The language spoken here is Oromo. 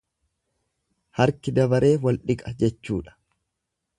Harki dabaree wal dhiqa jechuudha.